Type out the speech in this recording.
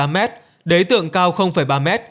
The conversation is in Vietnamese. một mươi tám m đế tượng cao ba m